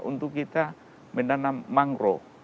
itu kita mendanam mangrove